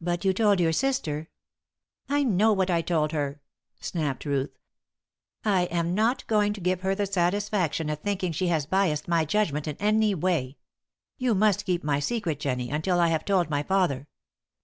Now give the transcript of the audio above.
"But you told your sister " "I know what I told her!" snapped Ruth. "I am not going to give her the satisfaction of thinking she has biassed my judgment in any way. You must keep my secret, Jennie, until I have told my father.